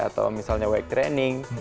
atau misalnya weight training